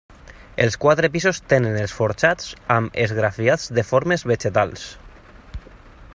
Els quatre pisos tenen els forjats amb esgrafiats de formes vegetals.